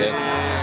ya terima kasih